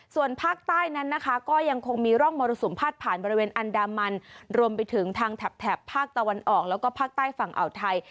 ส่วนภาคใต้นั้นนะคะก็ยังคงมีร่องมรสุมพาดผ่านบริเวณอันดามันรวมไปถึงทางแถบภาคตะวันออกแล้วก็ภาคใต้ฝั่งอ่าวไทย